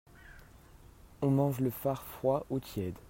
On mange le far froid ou tiède.